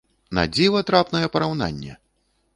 На дзіва трапнае параўнанне!